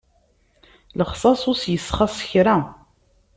Lexṣaṣ ur as-yessxaṣ kra.